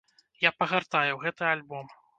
Я пагартаю гэты альбом.